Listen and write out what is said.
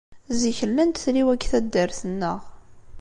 Zik, llant tliwa deg taddart-nneɣ.